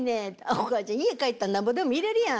「お母ちゃん家帰ったらなんぼでも見れるやん」